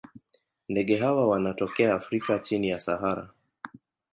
Ndege hawa wanatokea Afrika chini ya Sahara.